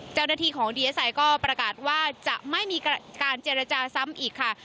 เจ้าหน้าที่ของดีเอสไอก็ประกาศว่าจะไม่มีการเจรจาซ้ำอีกค่ะ